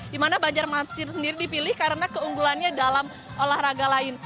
di mana banjarmasin sendiri dipilih karena keunggulannya dalam olahraga lain